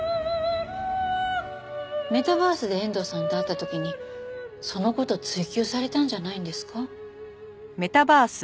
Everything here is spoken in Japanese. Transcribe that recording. メタバースで遠藤さんと会った時にその事を追及されたんじゃないんですか？